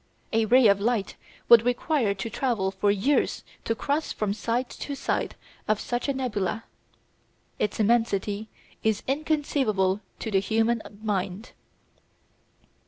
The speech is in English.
A ray of light would require to travel for years to cross from side to side of such a nebula. Its immensity is inconceivable to the human mind.